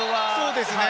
そうですね。